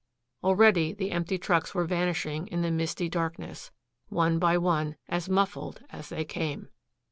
Already the empty trucks were vanishing in the misty darkness, one by one, as muffled as they came.